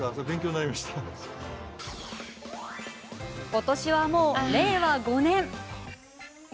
今年は、もう令和５年。